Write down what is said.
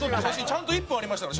ちゃんと１分ありましたから。